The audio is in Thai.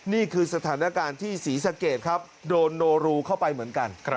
นี่คือสถานการณ์ที่ศรีสะเกดครับโดนโนรูเข้าไปเหมือนกัน